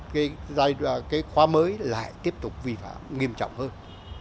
cái khóa mới lại tiếp tục vi phạm nghiêm trọng hơn